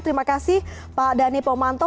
terima kasih pak dhani pomanto